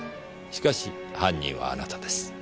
しかし犯人はあなたです。